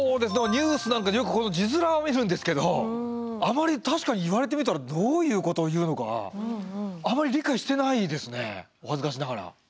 ニュースなんかでよくこの字面は見るんですけどあまり確かに言われてみたらどういうことを言うのかあまり理解してないですねお恥ずかしながら。